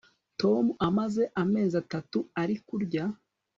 Tom amaze amezi atatu ari kurya